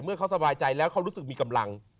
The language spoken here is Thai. เขาสบายใจแล้วเขารู้สึกมีกำลัง